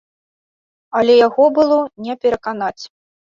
Але яго было не пераканаць.